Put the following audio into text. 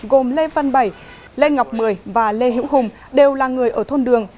gồm lê văn bảy lê ngọc mười và lê hữu hùng đều là người ở thôn đường